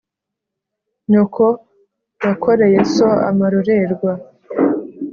nyoko yakoreye so amarorerwa